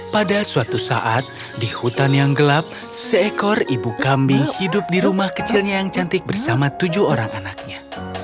pada suatu saat di hutan yang gelap seekor ibu kambing hidup di rumah kecilnya yang cantik bersama tujuh orang anaknya